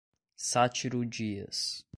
Sátiro Dias